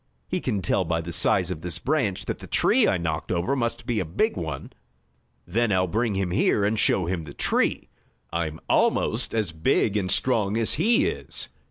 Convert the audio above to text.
He can tell by the size of this branch that the tree I knocked over must be a big one. Then I'll bring him here and show him the tree. I'm almost as big and strong as he is."